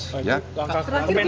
kemenangan gimana pak